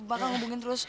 bakal ngubungin terus